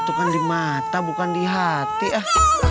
itu kan di mata bukan di hati ya